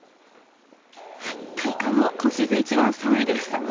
体感も今シーズン一番寒いです。